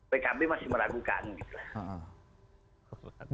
pkb masih meragukan